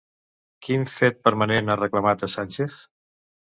Quin fet permanent ha reclamat a Sánchez?